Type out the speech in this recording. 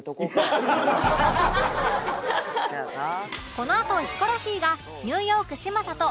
このあとヒコロヒーが